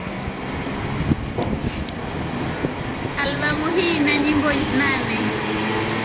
Albamu hii ina nyimbo nane.